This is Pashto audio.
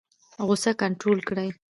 غوسه کنټرول کړئ